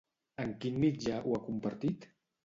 En quin mitjà ho ha compartit?